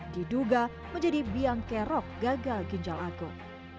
diduga menjadi biangkerok gagal ginjal akut